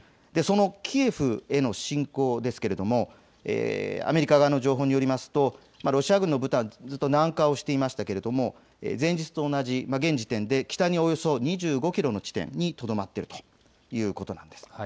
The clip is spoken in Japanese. そのキエフへの侵攻ですけれどもアメリカ側の情報によりますとロシア軍の部隊は南下をしていましたけれども前日と同じ現時点で北におよそ２５キロの地点にとどまっているということです。